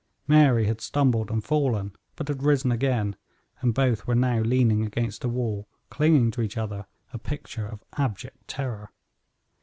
Mary had stumbled and fallen, but had risen again, and both were now leaning against a wall, clinging to each other, a picture of abject terror.